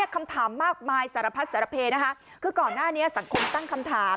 คำถามมากมายสารพัดสารเพคือก่อนหน้านี้สังคมตั้งคำถาม